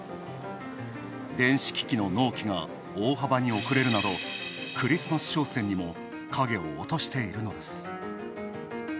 電子機器の納期が大幅に遅れるなどクリスマス商戦にも影を落としているのです。